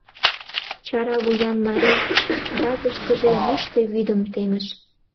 Чара вуян марий тазышкыже йӱштӧ вӱдым темыш.